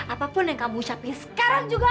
apapun yang kamu capai sekarang juga